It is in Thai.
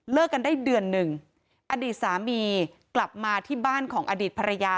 กันได้เดือนหนึ่งอดีตสามีกลับมาที่บ้านของอดีตภรรยา